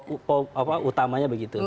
untuk utamanya begitu